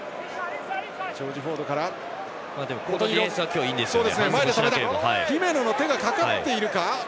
このディフェンスは今日はいいんですよね。